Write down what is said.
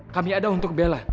kami ada untuk bella